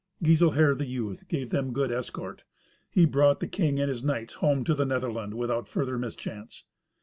Giselher the youth gave them good escort. He brought the king and his knights home to the Netherland without further mischance.